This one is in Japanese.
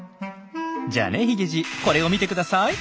じゃあねヒゲじいこれを見てください。